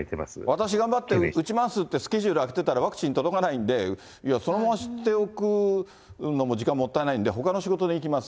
私、頑張って打ちますってスケジュール空けてたら、ワクチン届かないんで、いや、そのまま捨ておくのも時間もったいないんで、ほかの仕事に行きます。